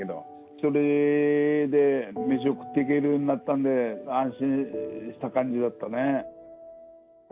それで、飯を食っていけるようになったんで、安心した感じだったね。